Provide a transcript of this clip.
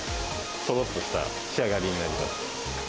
とろっとした仕上がりになります。